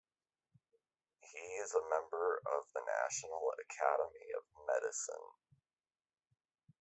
He is a member of the National Academy of Medicine.